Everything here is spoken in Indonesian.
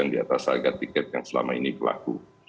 di atas harga tiket yang selama ini berlaku